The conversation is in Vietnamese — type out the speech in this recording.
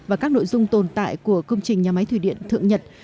và các nội dung tồn tại của công trình nhà máy thủy điện thượng nhật